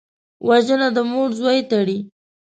وژنه د مور زوی تړي